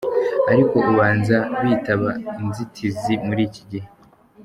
Ariko ubanza bitaba inzitizi muri iki gihe.